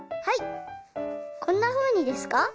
はいこんなふうにですか？